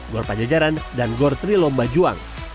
gor pajajaran dan gor trilomba juang